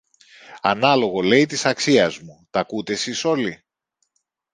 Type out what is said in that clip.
Ανάλογο, λέει, της αξίας μου, τ' ακούτε σεις όλοι;